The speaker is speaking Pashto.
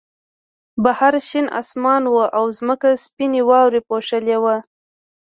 بهر شین آسمان و او ځمکه سپینې واورې پوښلې وه